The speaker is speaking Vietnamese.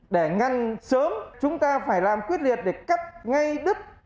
để ngăn sớm chúng ta phải làm quyết liệt để cắt ngay đứt